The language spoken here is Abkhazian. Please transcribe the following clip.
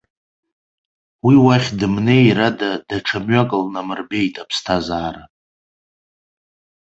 Уи уахь дымнеир ада даҽа мҩак лнамырбеит аԥсҭазаара.